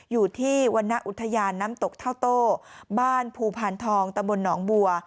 อยู่ที่วรรณอุทยานน้ำตกเท่าโต้บ้านภูพานทองตะบนหนองบัว